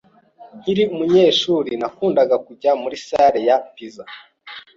Nkiri umunyeshuri, nakundaga kujya muri salle ya pizza.